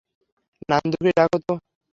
নান্দুকে ডাকো তো!